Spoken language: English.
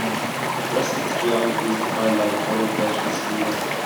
The rest of the geography is defined by the photo-collection schema.